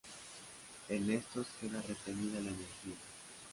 En estos queda retenida la energía.